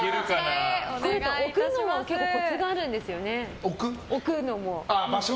置くのも結構コツがあるんですよね。